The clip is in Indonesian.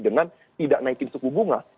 dengan tidak naikin suku bunga